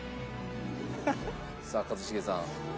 さあ一茂さん。